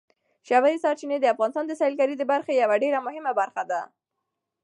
ژورې سرچینې د افغانستان د سیلګرۍ د برخې یوه ډېره مهمه برخه ده.